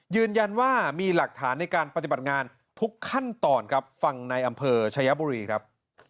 ยืนยันว่ามีหลักฐานในการปฏิบัติงานทุกขั้นตอนครับฟังในอำเภอชายบุรีครับ